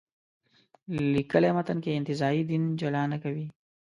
لیکلي متن کې انتزاعي دین جلا نه کوي.